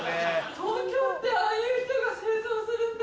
東京ってああいう人が清掃するんだ。